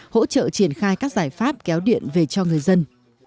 hỗ trợ triển khai các giải pháp kéo điện về cho người dân